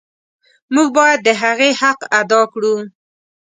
موږ باید د هغې حق ادا کړو.